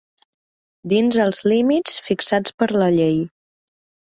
Dins els límits fixats per la llei.